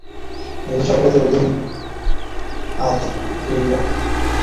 নিজের চরকায় তেল দিন, আধবুইড়া।